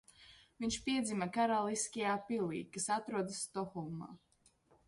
Viņš piedzima Karaliskajā pilī, kas atrodas Stokholmā.